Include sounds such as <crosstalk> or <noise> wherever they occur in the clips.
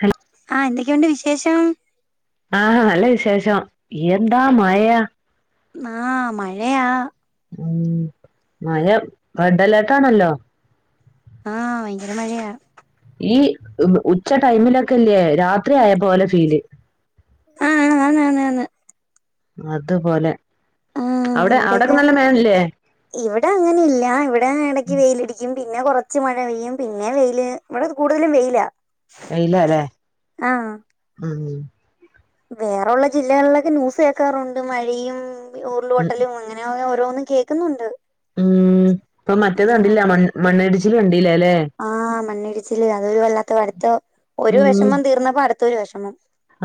Hello ആഹ് എന്തൊക്കെയുണ്ട് വിശേഷം? ആഹാ നല്ല വിശേഷം. എന്താ മയ. ന്നാ മഴയാ. ഉം മയ റെഡ്ഡലേർട്ടാണല്ലോ. ആഹ് ഭയങ്കര മഴയാ. ഈ ഉച്ച ടൈമിലൊക്കെല്ല്യേ രാത്രി ആയ പോലെ ഫീല്. ആഹ് ആഹ് ആന്ന് ആന്ന് ആന്ന്. അതു പോലെ. ആഹ് അവ്ടെ അവ്ടൊക്കെ ഇവിടെയൊക്കെ നല്ല മഴല്ലേ? ഇവിടെ അങ്ങനെ ഇല്ലാ. ഇവിടെ എടക്ക് വെയിലടിയ്ക്കും, പിന്നെ കൊറച്ച് മഴ പെയ്യും, പിന്നെ വെയില് ഇവടെ കൂടുതലും വെയിലാ. വെയിലാ ലേ? ഉം വേറെ ഉള്ള ജില്ലകളിലൊക്കെ ന്യൂസ് കേക്കാറുണ്ട് മഴയും ഇപ്പം ഈ ഉരുള് പൊ ഉം ട്ടലും ഇങ്ങനെയ ഓരോന്നും കേൾക്കുന്നുണ്ട് ഉം ഇപ്പൊ മറ്റേത് കണ്ടില്ല മണ് മണ്ണിടിച്ചിലും കണ്ടല്ല അല്ലെ ആഹ് മണ്ണിടിച്ചില് അതൊരു വല്ലാത്ത അടുത്ത ഒരു ഉം വിഷമം തീർന്നപ്പോ അടുത്തൊരു വിഷമം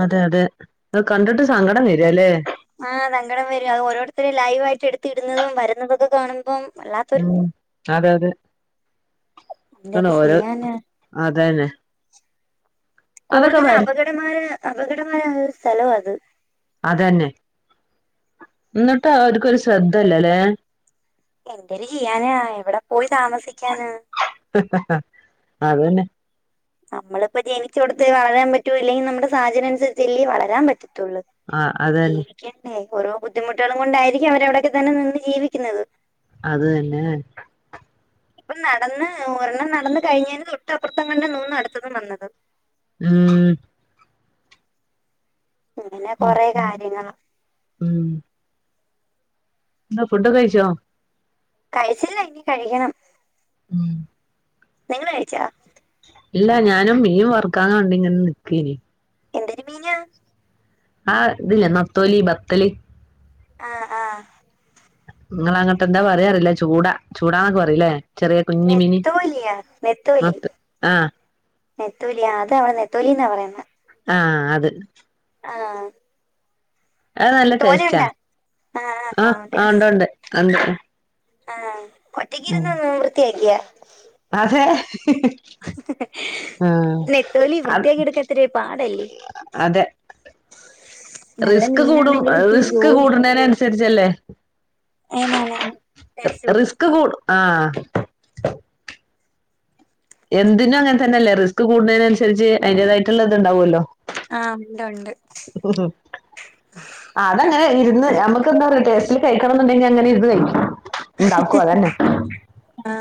അതെ അതെ അത് കണ്ടിട്ട് സങ്കടം വരല്ലേ ആഹ് സങ്കടം വരും അത് ഓരോരുത്തരും ലൈവ്ായിട്ട് എടുത്തി ഇടുന്നതും വരുന്നതൊക്കെ കാണുമ്പോം ഉം അതെ അതെ എന്തൊരു <unintelligible> ഓരോ ചെയ്യാനാ അതന്നെ അതൊക്കെ കൂടുതലും വര അപകടമായര അപകടമായര ഒരു സ്ഥലം അത് അതന്നെ എന്നിട്ടും അവർക്ക് ഒരു ശ്രദ്ധല്ല അല്ലേ എന്തൊരു ചെയ്യാന എവിടെ പോയി താമസിക്കാന അതന്നെ നമ്മളിപ്പോ ജനിച്ചടുത്ത് വളരാൻ പറ്റൂല്ലെങ്കിൽ നമ്മുടെ സാഹചര്യം അനുസരിച്ചല്ലേ വളരാൻ പറ്റത്തുള്ളൂ ആഹ് അതന്നെ ക്കെന്നെ ഓരോ ബുദ്ധിമുട്ടുകളും കൊണ്ടായിരിക്കാം അവരവിടൊക്കെ തന്നെ നിന്ന് ജീവിക്കുന്നത് അത് തന്നെ ഇപ്പം നടന്ന് ഒരെണ്ണം നടന്ന് കഴിഞ്ഞന് തൊട്ട്പ്പുറത്തങ്ങാണ്ട നൂന്നു അടുത്തതും വന്നത് ഉം അങ്ങനെ ആഹ കൊറേ കാര്യങ്ങളാ ഉം എന്താ ഫുഡ് ഒക്കെ കഴിച്ചോ കഴിച്ചില്ല ഇനി കഴിക്കണം ഉം നിങ്ങള് കഴിച്ചോ? ഇല്ല ഞാനും മീൻ വർക്കാൻ കണ്ടിങ്ങനെ നിക്കേനിം എന്തൊരു മീനാണ് ആഹ് ഇതില്ലേ നത്തോലി ബത്തല് ആഹ് ആഹ് നിങ്ങള് അങ്ങട്ട് എന്താ പറയാറില്ല ചൂടാ ചൂടാന്നൊക്കെ പറയില്ലേ ചെറിയ കുഞ്ഞി മിന് നെത്തോലിയാ മത്ത ആഹ് നെത്തോലിയാ അത അവിടെ നെത്തോലിന്നാ പറയുന്നത് ആഹ് അത് ആഹ് അത് നല്ല ടേസ്റ്റാ ആ ആഹ് ആ ഉണ്ട് ഉണ്ട് ഉണ്ട് ആഹ് ഉം ഒറ്റയ്ക്കിരുന്ന് വൃത്തിയാക്കിയാ അതെ ആഹ് നെത്തോലി അത് വൃത്തിയാക്കി എടുക്ക ഇത്തിരി പാടല്ലേ അതെ നല്ല റിസ്ക് കൂടും മീനാണെങ്കിൽ ഇത്തിരി റിസ്ക് ജോലി കൂടണേന് ജോലി അനുസരിച്ചല്ലേ <unintelligible> ടേസ്റ്റ് കൂടും ക്ക് കൂടും ആഹ് എന്തിനും അങ്ങനെ തന്നെയല്ലേ റിസ്ക് കൂടുന്നതിനനുസരിച്ച് അതിന്റേതായിട്ടുള്ള ഇത് ഉണ്ടാവോല്ലോ ആഹ് ഉണ്ട് ഉണ്ട് ഉം ആഹ് അതങ്ങനെ ഇരുന്ന് നമുക്ക്ന്താ പറയാ ടേസ്റ്റില് കഴിക്കണം എന്നുണ്ടെങ്കിൽ അങ്ങനെ ഇരുന്ന് കഴിക്കും ഉണ്ടാക്കും അതെന്നെ ആ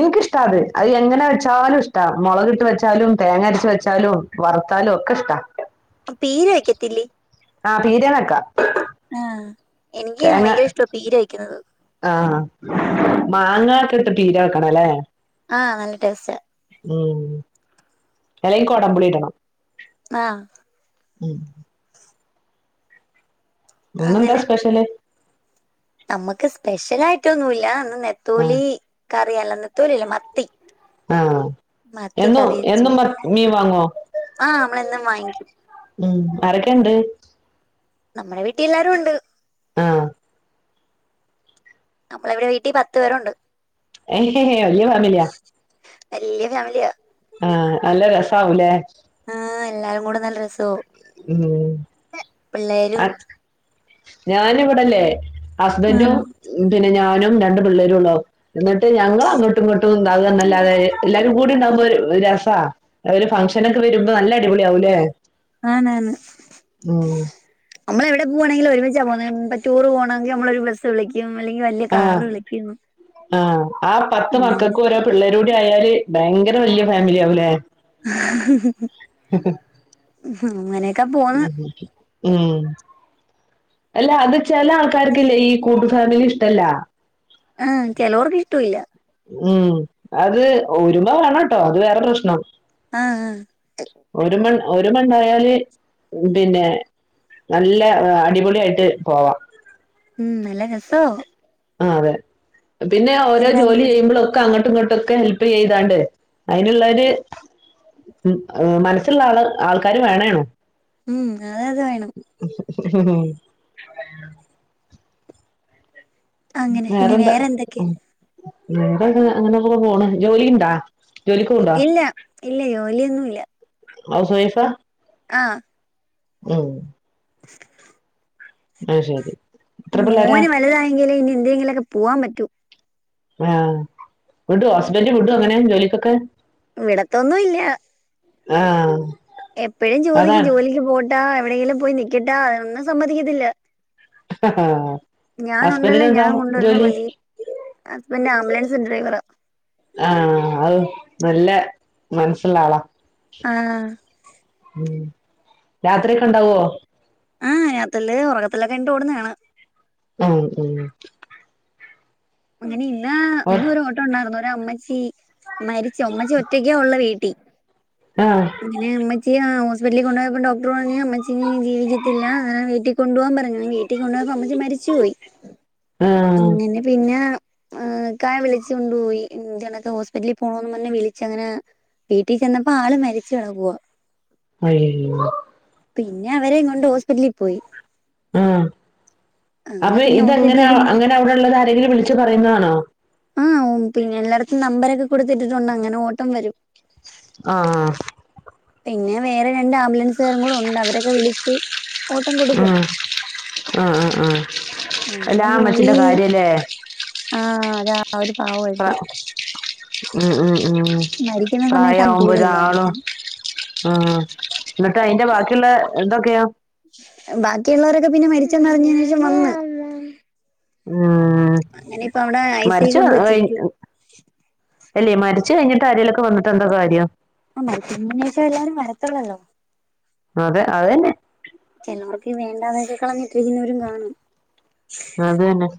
ഇൻക്ക്ഷ്ടാ അത് അഹ് എങ്ങനെ വെച്ചാലും ഇഷ്ടാ മൊളകിട്ടു വെച്ചാലും തേങ്ങരച്ച് വെച്ചാലും വർത്താലും ഒക്കെ ഇഷ്ടാ പീര വയ്ക്കത്തില്ലേ ആഹ് പീരേം വെക്കാം ആഹ് എനിക്ക് ഭയങ്കര ഇഷ്ടാ പീര വെക്കുന്നത് ആഹ് മാങ്ങ ഒക്കെ ഇട്ട് പീര വെക്കണേലേ ആഹ് നല്ല ടേസ്റ്റാ ഉം അല്ലെങ്കി കൊടംമ്പുളിയിടണം ആഹ് ഉം ഇന്നെന്താ സ്പെഷ്യല് നമ്മക്ക് സ്പെഷ്യലായിട്ടൊന്നൂല്ല ഇന്ന് ആ നെത്തോലി കറിയല്ല നെത്തോലിയല്ല മത്തി ആഹ് മത്തി എന്നു കറി വെച്ചു എന്നും മ്മർ മീൻ വാങ്ങോ ആഹ് നമ്മളെന്നും വാങ്ങിക്കും ഉം ആരൊക്കെ ഇണ്ട് നമ്മടെ വീട്ടിൽ എല്ലാരു ഉണ്ട് ആഹ് അപ്പളെ ഇവിടെ വീട്ടിൽ പത്ത് പേരുണ്ട് ഏഹ്ഹ് വല്ല്യ ഫാ വല്ല്യ ഫാമിലിയാ ആഹ് നല്ല രസാവൂലേ ആഹ് എല്ലാരും കൂടെ നല്ല രസാവും ഉം അ ഞാന് ഇവിടില്ലേ ഉം ഹസ്ബന്റും പിന്നെ ഞാനും രണ്ട് പിള്ളേരുള്ളു എന്നിട്ട് ഞങ്ങള് അങ്ങട്ടും ഇങ്ങട്ടും ഇതാ ആവന്നല്ലാതെ എല്ലാരും കൂടി ഇണ്ടാഉമ്പോ ഒര് രസാ ഒരു ഫംഗ്ഷനൊക്കെ വരുമ്പം നല്ല അടിപൊളി ആവുംല്ലേ ആന്ന് ആന്ന് ഉം നമ്മള് എവിടെ പോവാണെങ്കിലും ഒരുമിച്ചാ പോന്നെ ഇപ്പം ടൂറ് പോണോങ്കി നമ്മളൊരു ബസ് വിളിക്കും അല്ലെങ്കി വല്ല്യ ആ കാറ് വിളിക്കും അങ്ങനെ പിള്ളേരൂടി ആയാല് ഭയങ്കര വല്ല്യ ഫാമിലിയാവുലേ <unintelligible> <unintelligible> ഉം അങ്ങനെയൊക്കെ പോന്ന് ഉം അല്ല അത് ചെല ആൾക്കാർക്കില്ലേ ഈ കൂട്ടു ഫാമിലി ഇഷ്ടല്ല ഏഹ് ചെലോർക്ക് ഇഷ്ടവില്ല ഉം അത് ഒരുമ വേണോട്ടോ അത് വേറെ പ്രശ്നം ആഹ് ആഹ് ഒരുമ ഒരുമണ്ടായാല് പിന്നെ നല്ല അടിപൊളിയായിട്ട് പോവാം ഉം നല്ല രസാവും ആഹ് അതെ പിന്നെ ഓരോ എല്ലാരും ജോലി കൂടെ ചെയ്യുമ്പൊളൊക്കെ അങ്ങട്ടും ഇങ്ങട്ടൊക്കെ ഹെൽ പ്പ് ചെയ്താണ്ട് അയിനുള്ളൊര് മനസ്സ് ഉള്ളാള് ആൾക്കാര് വേണേണ് ഉം അതെ അത് വേണം <unintelligible> <unintelligible> അങ്ങനെ പിന്നെ വേറെന്താ വേറെന്തൊക്കെ ഉം വേറെന്താ അങ്ങനൊക്കെ പോണ് ജോലിണ്ടാ ഇല്ല ഇല്ല ജോലിയൊന്നുല്ല ഹൗസ് വൈഫാ ആഹ് ഉം <inaudible> അത് ശെരി മോന് വലുതായെങ്കിലേ ഇനി എന്തെങ്കിലൊക്കെ പോവാൻ പറ്റൂ ആഹ് വിടോ ഹസ്ബന്റ് വിടോ അങ്ങനെ ജോലിക്കൊക്കെ വിടത്തൊന്നും ഇല്ല ആഹ് എപ്പഴും ചോദിക്കും ജോലിക്ക് പോട്ടാ എവിടെയെങ്കിലും പോയി നിക്കട്ടാ അതൊന്നും സമ്മതിക്കത്തില്ല <unintelligible> ഞാനുണ്ടല്ലോ ഹസ്ബൻഡിന് എന്താ ഞാൻ കൊണ്ടുവരുന്നത് ജോലി മതി. ഹസ്ബൻഡന്റ് ആംബുലൻസ് ഡ്രൈവറാ ആഹ് അഹ് നല്ല മനസ്സുള്ള ആളാ ആഹ് ഉം രാത്രിയൊക്കെയുണ്ടാവോ ആഹ് രാത്രീല് ഒറക്കത്തിലൊക്കെ എണീറ്റ് ഓടുന്ന കാണാം ഉം ഉം അങ്ങനെ ഇന്ന് ഇന്നും <unintelligible> ഒരു ഓട്ടം ഒണ്ടാരുന്നു ഒര് അമ്മച്ചി മരിച്ച് അമ്മച്ചി ഒറ്റയ്ക്കെ ഒള്ളു വീ ആഹ് അങ്ങനെ ഇമ്മച്ചിയെ ആഹ് ഹോസ്പിറ്റലില് കൊണ്ടോയപ്പൊ ഡോക്ടർ പറഞ്ഞു ഇമ്മച്ചിനി ജീവിക്കത്തില്ല അങ്ങനെ വീട്ടി കൊണ്ടുപോവാൻ പറഞ്ഞു പിന്നെ വീട്ടി കൊണ്ടോയപ്പൊ അമ്മച്ചി മരിച്ചു പോയി ആഹ് അങ്ങനെ പിന്നേ ഏഹ് ഇക്കായെ വിളിച്ച് കൊണ്ടു പോയി. <unintelligible> ഹോസ്പിറ്റലി പോണോന്നും പറഞ്ഞ് വിളിച്ചങ്ങനെ വീട്ടി ചെന്നപ്പൊ ആള് മരിച്ച് കിടക്കുവാ അയ്യോ പിന്നെ അവരേം കൊണ്ട് ഹോസ്പിറ്റലിൽ പോയി ആഹ് അങ്ങനെ അപ്പൊ പിന്നെ ഇതെങ്ങനെ ഹോസ്പിറ്റലിൽ കൊണ്ട് അങ്ങനെ അവിടെള്ളത് ആരെങ്കിലും വിളിച്ച് പറയുന്നാണോ ആഹ് ഓഹ് പിന്നെ എല്ലാടത്തും നമ്പറൊക്കെ കൊടുത്തിട്ടിട്ടുണ്ട് അങ്ങനെ ഓട്ടം വരും ആഹ് പിന്നെ വേറെ രണ്ട് ആംബുലൻസുകാരും കൂടെ ഒണ്ട് അവരൊക്കെ വിളിച്ച് ഓട്ടം കൊടുക്കും ആഹ് ആഹ് ആഹ് ആഹ് എല്ലാ ഇമ്മച്ചിന്റെ കാര്യംല്ലേ ആഹ് <unintelligible> അവര് പാവാ പ്രാ ഉം ഉം ഉം മരിക്കുന്ന സമയത്ത് ആരും പ്രായവുമ്പൊ കൂടെ ഇല്ലായിരുന്നു ഒരാളും ആഹ് എന്നിട്ട് അയിന്റെ ബാക്കിയൊള്ള ഇതൊക്കെയോ ബാക്കിയുള്ളോരൊക്കെ പിന്നെ മരിച്ചെന്നറിഞ്ഞേനേഷം വന്ന് ആഹ് അങ്ങനെ ഇപ്പൊ അവടെ ഐ സി യുവിൽ കൊണ്ട് വെച്ചിരിക്കുവാ അല്ലേ മരിച്ച് കയിഞ്ഞിട്ട് ആരേലുവൊക്കെ വന്നിട്ടെന്താ കാര്യം ആഹ് മരിച്ച് കയിഞ്ഞീനേഷേ എല്ലാരും വരത്തൊള്ളല്ലോ അതെ അതന്നെ ചെലോർക്ക് വേണ്ടാതൊക്കെ കളഞ്ഞിട്ടിരിക്കുന്നവരും കാണും അത് തന്നെ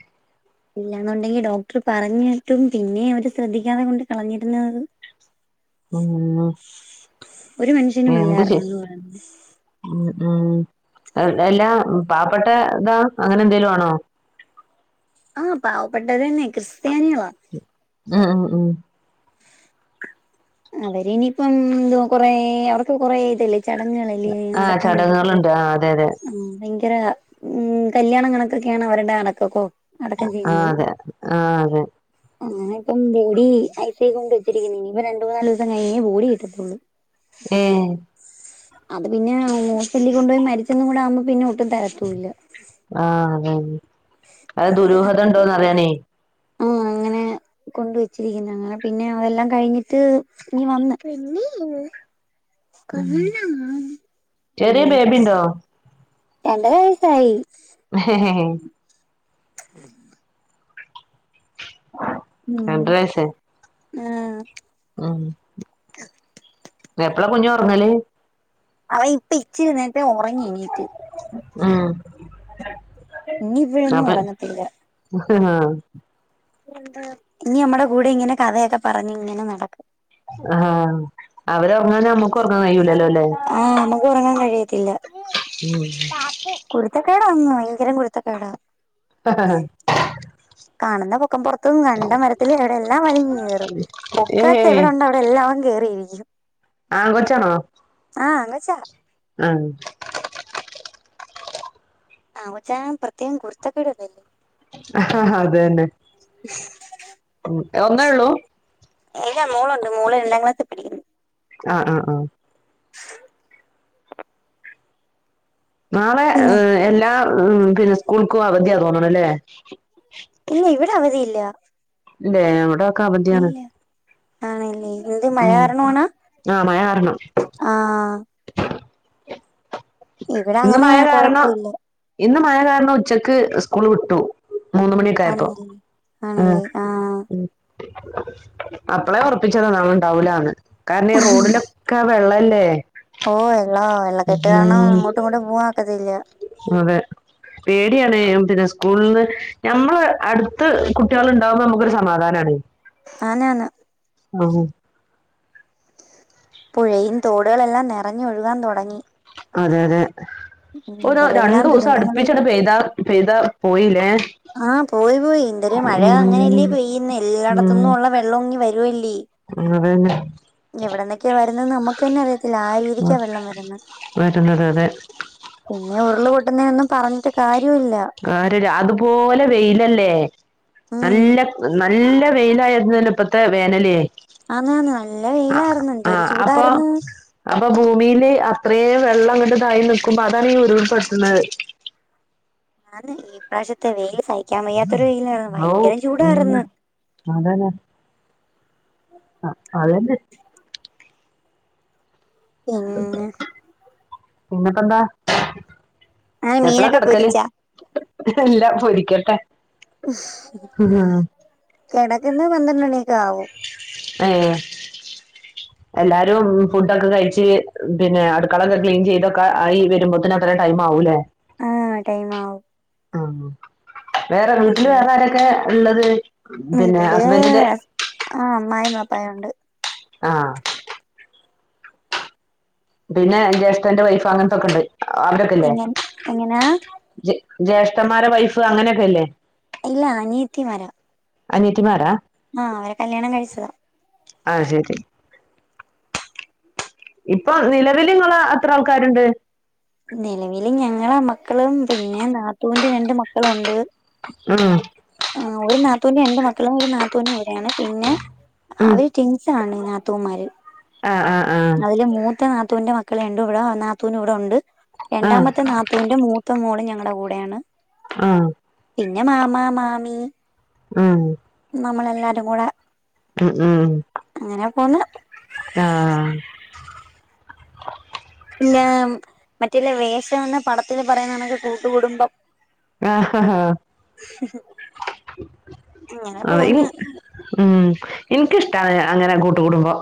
ഇല്ലാന്നുണ്ടെങ്കി ഡോക്ടറ് പറഞ്ഞിട്ടും പിന്നേ അവര് ശ്രദ്ധിക്കാതെ കൊണ്ട് കളഞ്ഞിരുന്നത് ആഹ് ഒരു മനുഷ്യനും ഇല്ലാർന്നൂന്ന് പറഞ്ഞ് ഉം ഉംഹ് എല്ലാ പാവപ്പെട്ട ഇതാ അങ്ങനെ എന്തേലും ആണോ ആഹ് പാവപ്പെട്ടവര്തന്നെ ക്രിസ്ത്യാനികളാ ഉം ഉംഹ് അവര് ഇനിയിപ്പം കൊറേ അവർക്ക് കൊറെ ഇത് ഇല്ലേ ചടങ്ങുകളല്ലേ ഈ ആഹ് അടക്കാൻ നേരത്തൊക്കെ ചടങ്ങുകളുണ്ട് ആഹ് അതെ അതെ ആഹ് ഭയ ങ്കര ഉം കല്യാണം കണക്കൊക്കെയാണ് അവരുടെ അടക്കൊക്കോ അടക്കം ചെയ്യുന്നത് ആഹ് അതെ ആഹ് അതെ അങ്ങനെ ഇപ്പം ബോഡി ഐസ്യുവിക്കൊണ്ട് വെച്ചിരിക്കുന്നു ഇനിയിപ്പ രണ്ടു മൂന്നാല് ദിവസം കഴിഞ്ഞേ ബോഡി കിട്ടത്തുള്ളൂ ഏഹ് അത് പിന്നെ ഹോസ്പിറ്റലിൽ കൊണ്ടുപോയി മരിച്ചന്നും കൂടെ ആകുമ്പോ പിന്നെ ഒട്ടും തരത്തൂല്ല ആഹ് അതന്നെ അത് ദുരൂഹത ഉണ്ടോന്ന് അറിയാനേ ഉം അങ്ങനെ കൊണ്ടുവെച്ചിരിക്കുന്നു അങ്ങനെ പിന്നെ അതെല്ലാം കഴിഞ്ഞിട്ട് ഇങ്ങ് വന്ന് ഉം രണ്ടര ചെറിയ ബേബി ഉണ്ടോ വയസായി <unintelligible> <unintelligible> ഉം രണ്ടര വയസ്സായി ആഹ് ആഹ് എപ്പളാ കുഞ്ഞ് ഉറങ്ങല് അവ ഇപ്പം ഇച്ചിരി നേരത്തെ ഉറങ്ങി എണീറ്റ് ആഹ് ഇനി ഇപ്പഴൊന്നും ഉറങ്ങത്തില്ല ആഹ് ഇനി നമ്മടെ കൂടെ ഇങ്ങനെ കഥയൊക്കെ പറഞ്ഞ് ഇങ്ങനെ നടക്കും ആഹ് അവര് ഉറങ്ങാതെ നമ്മുക്ക് ഉറങ്ങാൻ കഴിയൂലല്ലോ അല്ലേ ആഹ് നമുക്ക് ഉറങ്ങാൻ കഴിയത്തില്ല ഉം കുരുത്തക്കേടാ ഭയങ്കരം കുരുത്തക്കേട <unintelligible> കാണുന്ന പൊക്കം പുറത്തൊന്നും കണ്ട മരത്തിൽ അവിടെ എല്ലാം വലിഞ്ഞ് കേറും ഒക്കാത്ത് ഏഹ് എവിടുണ്ടോ എല്ലാം അവൻ കേറിയിരിക്കും ആൺ കൊച്ചാണോ ആഹ് ആൺകൊച്ചാ ആഹ് ആൺകൊച്ചാണെ പ്രത്യേകം കുരുത്തക്കേട് ആഹ് അതന്നെ <unintelligible> ഒന്നേ ഉള്ളൂ ഏതാ മോളുണ്ട് മോള് രണ്ടാം ക്ലാസ്സിൽ പഠിക്കുന്നു ആഹ് ആഹ് ആഹ് നാളെ പിന്നെ എല്ലാ പിന്നെ സ്കൂൾക്കും അവധിയാ തോന്നണല്ലേ ഇല്ല ഇവിടെ അവധിയില്ല ഇല്ലേ ഇവിടൊക്കെ അവധിയാണ് ഇല്ല ആണല്ലേ എന്ത് മഴ ഉം കാരണവാണോ ആഹ് മഴ കാരണം ആഹ് ഇവിടെ ഇന്ന് അങ്ങനെ മഴ കാരണം കൊഴപ്പമില്ല ഇന്ന് മഴ കാരണം ഉച്ചക്ക് സ്കൂള് വിട്ടു മൂന്ന മണിയക്ക ആയപ്പോ ആന്നല്ലേ ഉ ആണല്ലേ ആഹ് ഉ അപ്പളെ ഉറപ്പിച്ചതതാണ്ണ് അവളുണ്ടാവുലാന്ന് കാരണം ഈ റോഡിലൊക്കെ വെള്ളല്ലേ ഓ എല്ലാ വള്ള കെട്ട് കാരണം ഉം ഇങ്ങോട്ടും ഇങ്ങോട്ടും പോആക്കത്തില്ല അതെ പേടിയാണ പിന്നെ സ്കൂളിൽ നിന്ന് നഞമ്മള് അടുത്ത് കുട്ടികള ഉണ്ടാവുമ്പോൾ നമുക്കൊരു സമാധാനമാണ അയനാണ് അതെ പുഴയും തോടുകളെല്ലാം നിറഞ്ഞൊഴുകാൻ തുടങ്ങി അതെ അതെ ഒ രണ്ടു എന്തരെല്ലാം വുസം ദുരന്തങ്ങള് അടുപ്പിച്ച ആണ്ട് പെയ്താ പെയ്താ പോയില്ലേ ആഹ് പോയി പോയി എന്തൊരു മഴ ഉം അങ്ങനെയല്ലേ പെയ്യന്ന് എല്ലായിടത്തന്നും ഉള്ള വെള്ളംങ്ങി വരുവല്ലേ അഹ് അതെന്നെ എവിടന്നൊക്കെയ വരന്ന് നമുക്ക് തന്നെ അറിയത്തില്ല ആ രീതിക്കാണ് വെള്ളം വരുന്നത് വരുന്നത് അതെ പിന്നെ ഉരുള് പൊട്ടുന്നതിനൊന്നും പറഞ്ഞിട്ട് കാര്യവുല്ല ആഹ് കാര്യല്ലഅതുപോലെ വെയിലല്ലേ ഉം നല്ല നല്ല വെയിലായിരുന്നു തന്നെ ഇപ്പത്തെ വേനലയേ ആന്നന്ന നല്ല വെയിലായിരുന്നു എന്ത ഒരു അപ്പൊ ചൂടായിരുന്നു അപ്പൊ ഭൂമി ല്അത്രയേ വെള്ളം അങ്ങോട്ട് തായി നൽക്കുമ്പോ അതാണ് ഉരുൾ പട്ടുന്നത് ഞന്ന് ഈ പ്രാവശ്യത്തെ വെയിയില് സഹിക്കാൻ വയ്യാത്തൊരു വെയിലായിരുന്നു ഔ ഭയങ്കരം ഉം ചൂടായിര്ന്ന് അതന്നെ ആഹ് അതന്നെ <inaudible> ആഹ് പിന്നെപ്പ എന്താ ആഹ് എപ്പളാ മീനൊക്കെ കെടക്കല് പൊരിച്ചാ എല്ലാ പൊരിക്കട്ടെ കിടക്കുന്ന പന്ത്രണ്ട മണിയക്കെ ആകും ആഹ് എല്ലാരും ഫുഡൊക്കെ കഴിച്ച് പിന്നെ അടുക്കളൊക്കെ ക്ലീൻ ചെയ്തൊക്കെ ആയി വരുമ്പോത്തനക്കെ കുറെടൈം ആവുല്ലേ ആഹ് ടൈം ആവും ആഹ് വേറെ വീട്ടില് വേറെ ആരൊക്കെ ഉള്ളത് പിന്നെ വീട്ടില് ഹസ്ബൻഡിന്റെ ആഹ് അ്മായി മാപ്പായുണ്ട് ആഹ് പിന്നെ ജ്യേഷ്ഠന്റെ വൈഫ് അങ്ങനത്തൊക്കെ ഉണ്ട് അവരൊക്കെല്ലേ എങ്ങ എങ്ങനാ ജ ജ്യേഷ്ഠന്മാരെ വൈഫ് അങ്ങനെയൊക്കെല്ലേ ഇല്ല അനിയത്തി മാര അനിയത്തിമാരാ ആഹ് അവരെ കല്യാണം കഴിച് അഹ് ശെരി ഇപ്പൊ നിലവല് എത്ര ആൾക്കാരുണ്ട് നിലവില് ഞങ്ങളമ്മക്കളും പിന്നെ നാത്തൂവിന്റെ രണ്ട് മക്കളുണ്ട് ആഹ് ആഹ് ഒരു നാത്തൂന് രണ്ട് മക്കളും ഒരു നാത്തൂന് ഇവിടെയാണ് പിന്നെ ഉം അവര് ടിൻസാണ് നാത്തൂമാര് ആഹ് ആഹ് ആഹ് അതില് മൂത്ത നാത്തൂന്റെ മക്കളെ രണ്ടു ഇവിടെ നാത്തൂന് ഇവിടെ ഉണ്ട് ആഹ് ആഹ് രണ്ടാമത്തെ നാത്തൂന്റെ മൂ ഇപ്പം മോളും ഞങ്ങളുടെ കൂടെയാണ് ആഹ് പിന്നെ മാമാ മാമി ഉം നമ്മളെല്ലാരും കൂടെ ഉം ഉം ഉം അങ്ങനെ പോന്ന് ആഹ് പിന്ന മറ്റേല്ല വേഷം എന്ന പടത്തില് പറയുന്ന നണക്ക് കൂട്ടുകൂടുംബം ആഹ് ആഹ് അങ്ങനെ ആഹ് ഇ പോന്ന് ഉം എനിക്കിഷ്ടാണ് അങ്ങനെ കൂട്ടു കൂടുംബം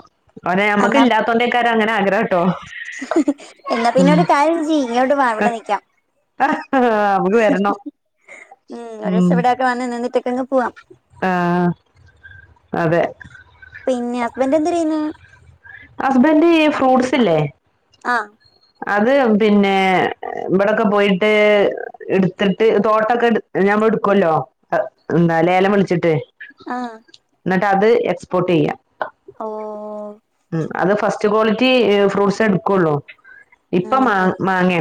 അവരെ ഞമ്മക്ക് എന്നാ ഇല്ലാത്തോണ്ടേക്കാര് അങ്ങനെ ആഗ്രഹംട്ടോ ഉം അവ്ജി ഇങ്ങോട്ട് വാ ഇവിടെ നിക്കാം അമ്മക്ക് വെരണം ഉം എന്നന്നിട്ടേക്കെങ് പോവാം ആഹ് അതെ പിന്നെ ഹസ്ബൻ്റെഎന്തര് ചെയ്യിന്ന് ഹസ്ബൻഡ് ഈ ഫ്രൂട്ട്സ് ല്ലേ ആഹ് അത് പിന്നെ ഇവിടെക്കെ പോയിട്ട് എടുത്തിട്ട് തോട്ടൊക്കെ ഇടു ഞമ്മൾ എടുക്കുല്ലോ എന്താ ലേലം വിളിച്ചിട്ട് ആഹ് ഇന്നട്ട് അത് എക്സ്പോർട്ട് ചെയ്യാ ഓ ഉം അത് ഫസ്റ്റ് ക്വാളിറ്റി ഫ്രൂട്ട്സേ എടുക്കുള്ളൂ ഇപ്പൊ മാ ആണല്ലേ മാങ്ങേണ്